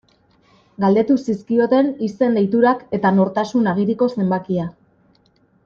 Galdetu zizkioten izen-deiturak eta nortasun agiriko zenbakia.